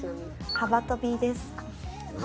幅跳びです。